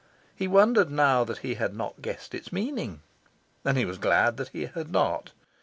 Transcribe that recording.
He wondered now that he had not guessed its meaning. And he was glad that he had not.